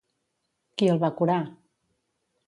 Qui el va curar?